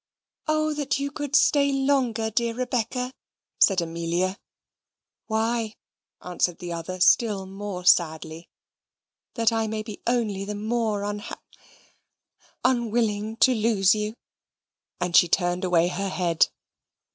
"O that you could stay longer, dear Rebecca," said Amelia. "Why?" answered the other, still more sadly. "That I may be only the more unhap unwilling to lose you?" And she turned away her head.